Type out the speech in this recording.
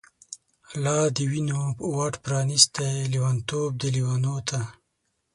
لادوینو واټ پرانستی، لیونتوب دی لیونو ته